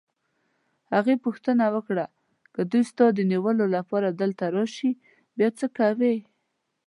هغې پوښتنه وکړه: که دوی ستا د نیولو لپاره دلته راشي، بیا څه کوې؟